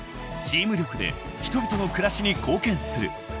［チーム力で人々の暮らしに貢献する］